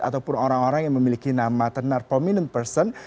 ataupun orang orang yang memiliki nama tenar prominent person